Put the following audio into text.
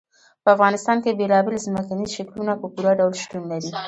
په افغانستان کې بېلابېل ځمکني شکلونه په پوره ډول شتون لري.